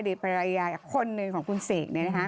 อดีตภรรยาคนหนึ่งของคุณเศษ